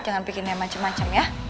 jangan bikin yang macem macem ya